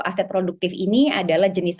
aset produktif ini adalah jenis